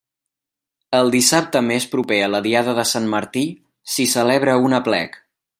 El dissabte més proper a la diada de sant Martí, s'hi celebra un aplec.